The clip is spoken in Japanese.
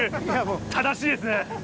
正しいですね！